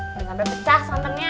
udah ngambil pecah santannya